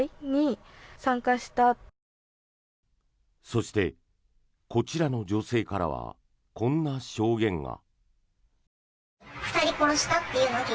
そして、こちらの女性からはこんな証言が。